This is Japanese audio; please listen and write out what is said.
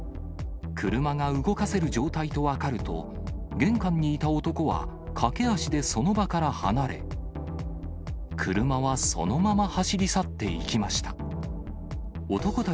車が動かせる状態と分かると、玄関にいた男は駆け足でその場から離れ、車はそのまま走り去っていきました。